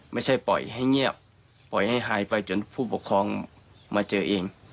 ไม่ใช่ปล่อยให้เงียบปล่อยให้หายไปจนผู้ปกครองมาเจอเอง